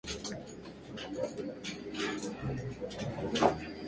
De repente todo se oscurece y resuena un trueno.